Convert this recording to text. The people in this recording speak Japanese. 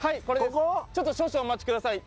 ちょっと少々お待ちください